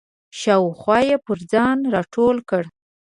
شاوخوا یې پر ځان راټوله کړه.